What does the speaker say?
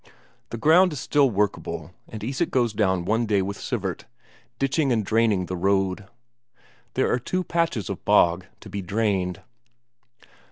The ground is still workable, and Isak goes down one day with Sivert, ditching and draining the road. There are two patches of bog to be drained.